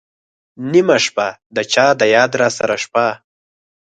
نېمه شپه ، د چا د یاد راسره شپه